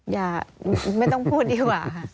อย่าไม่ต้องพูดดีกว่าค่ะ